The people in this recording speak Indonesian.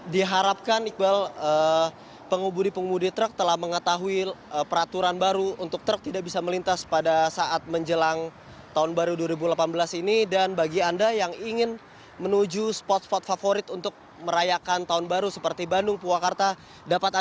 diharapkan iqbal pengemudi pengemudi truk telah mengetahui peraturan baru untuk truk tidak bisa melintas pada saat menjelang tahun baru dua ribu delapan belas ini dan bagi anda yang ingin menuju spot spot favorit untuk merayakan tahun baru seperti bandung purwakarta